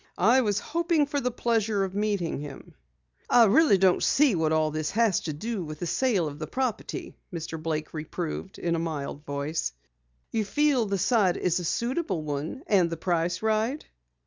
"I was hoping for the pleasure of meeting him." "I really don't see what all this has to do with the sale of the property," Mr. Blake reproved in a mild voice. "You feel that the site is a suitable one, and the price right?"